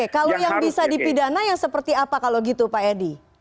kalau yang bisa dipidana yang seperti apa kalau gitu pak edi